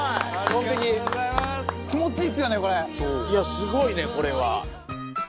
いやすごいねこれは。